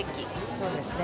そうですね。